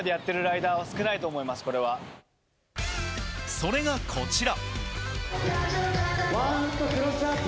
それがこちら。